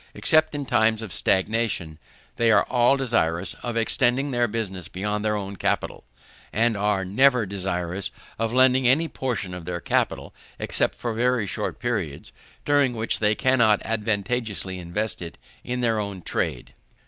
Except in times of stagnation, they are all desirous of extending their business beyond their own capital, and are never desirous of lending any portion of their capital except for very short periods, during which they cannot advantageously invest it in their own trade.